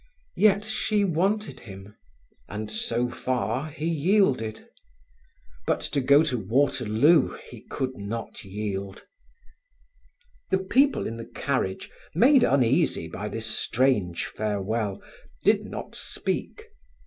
Yet she wanted him, and so far he yielded. But to go to Waterloo he could not yield. The people in the carriage, made uneasy by this strange farewell, did not speak.